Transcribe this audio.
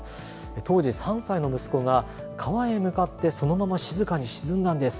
当時３歳の息子が川に向かってそのまま静かに沈んだんです。